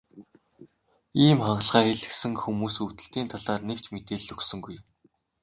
Ийм хагалгаа хийлгэсэн хүмүүс өвдөлтийн талаар нэг ч мэдээлэл өгсөнгүй.